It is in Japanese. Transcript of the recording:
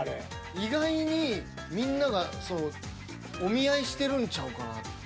意外にみんながお見合いしてるんちゃうかなって。